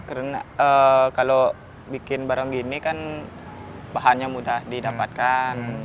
karena kalau bikin barang gini kan bahannya mudah didapatkan